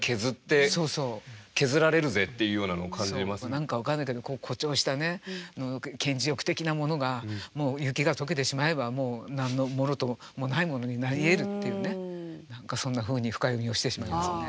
何か分からないけど誇張したね顕示欲的なものがもう雪が解けてしまえばもう何のもろともないものになりえるっていうね何かそんなふうに深読みをしてしまいますよね。